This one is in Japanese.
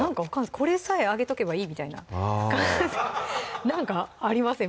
これさえあげとけばいいみたいななんかありません？